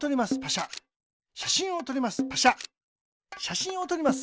しゃしんをとります。